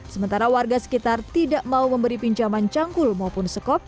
sementara warga sekitar tidak mau memberi pinjaman cangkul maupun sekop